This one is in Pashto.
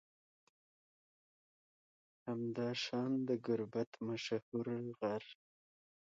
همداشان د گربت مشهور غر